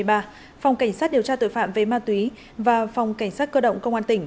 phòng cảnh sát điều tra tội phạm về ma túy và phòng cảnh sát cơ động công an tỉnh